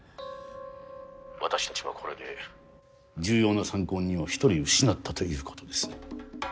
私たちはこれで重要な参考人を１人失ったということです。